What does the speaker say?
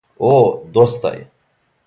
О, доста је!